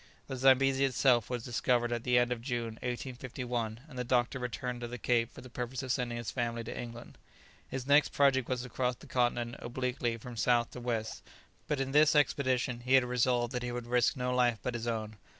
The Zambesi itself was discovered at the end of June, 1851, and the doctor returned to the Cape for the purpose of sending his family to England. [Illustration: Dr. Livingstone. Page 408.] His next project was to cross the continent obliquely from south to west, but in this expedition he had resolved that he would risk no life but his own.